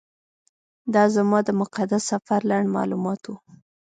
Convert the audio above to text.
دا زما د مقدس سفر لنډ معلومات و.